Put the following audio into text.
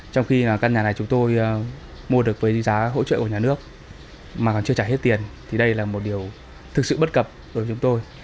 trong khi căn nhà này chúng tôi mua được với giá hỗ trợ của nhà nước mà còn chưa trả hết tiền thì đây là một điều thực sự bất cập đối với chúng tôi